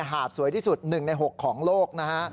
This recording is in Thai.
หาดสวยที่สุด๑ใน๖ของโลกนะฮะ